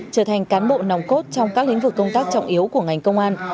trở thành cán bộ nòng cốt trong các lĩnh vực công tác trọng yếu của ngành công an